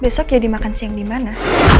besok ya dimakan siang di mana